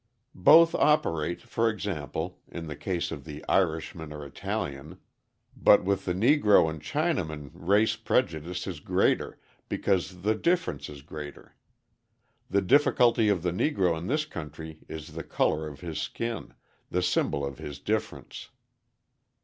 Both operate, for example, in the case of the Irishman or Italian, but with the Negro and Chinaman race prejudice is greater because the difference is greater. The difficulty of the Negro in this country is the colour of his skin, the symbol of his difference.